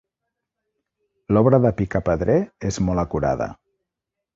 L'obra de picapedrer és molt acurada.